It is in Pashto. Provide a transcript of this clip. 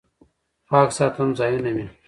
پاک ساتم ځایونه مې